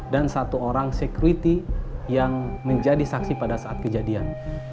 dan satu orang sekriti yang menjadi saksi pada saat kejadian